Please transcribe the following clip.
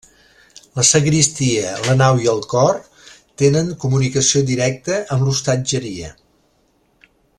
La sagristia, la nau i el cor tenen comunicació directa amb l'hostatgeria.